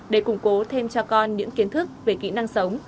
để củng cố thêm cho con những kiến thức về kỹ năng sống